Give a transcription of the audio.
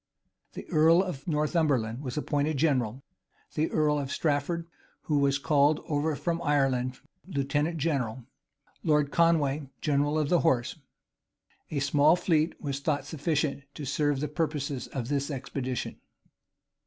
[*] The earl of Northumberland was appointed general; the earl of Strafford, who was called over from Ireland, lieutenant general; Lord Conway, general of the horse. A small fleet was thought sufficient to serve the purposes of this expedition.